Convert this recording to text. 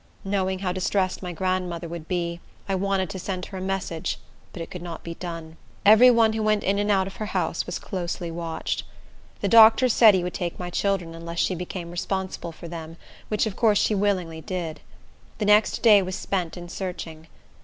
Knowing how distressed my grandmother would be, I wanted to send her a message; but it could not be done. Every one who went in or out of her house was closely watched. The doctor said he would take my children, unless she became responsible for them; which of course she willingly did. The next day was spent in searching.